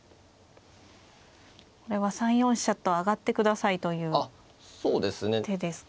これは３四飛車と上がってくださいという手ですか。